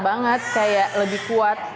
banget kayak lebih kuat